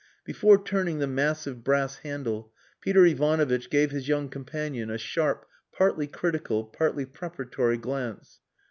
Before turning the massive brass handle, Peter Ivanovitch gave his young companion a sharp, partly critical, partly preparatory glance.